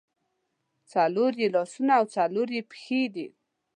څلور یې لاسونه او څلور یې پښې دي.